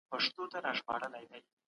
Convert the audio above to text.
د سوداګرۍ خونو رول خورا ارزښت لري.